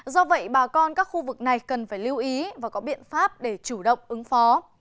do vậy bà con các khu vực này cần phải lưu ý và có biện pháp để chủ động ứng phó